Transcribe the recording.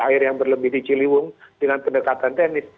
air yang berlebih di ciliwung dengan pendekatan teknis